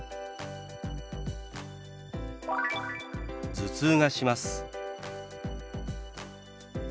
「頭痛がします」。